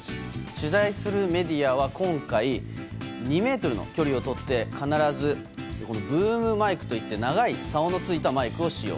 取材するメディアは今回２ｍの距離をとって必ずブームマイクといって長い竿のついたマイクを使用。